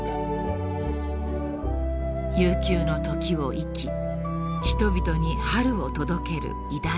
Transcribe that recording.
［悠久の時を生き人々に春を届ける偉大な桜］